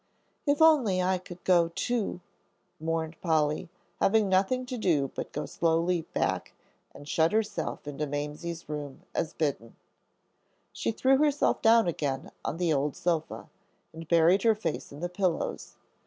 "If I could only go too," mourned Polly, having nothing to do but go slowly back and shut herself into Mamsie's room, as bidden. She threw herself down again on the old sofa, and buried her face in the pillows.